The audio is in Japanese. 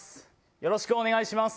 よろしくお願いします。